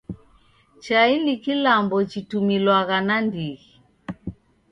Chai ni kilambo chitumilwagha nandighi.